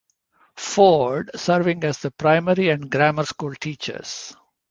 Ford serving as the primary and grammar school teachers.